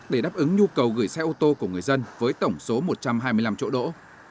để đáp ứng nhu cầu gửi xe ô tô của người dân với tổng số một trăm hai mươi năm chỗ đỗ